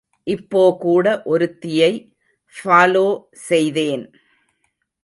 இப்போகூட ஒருத்தியை ஃபாலோ செய்தேன்.